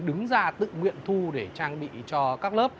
đứng ra tự nguyện thu để trang bị cho các lớp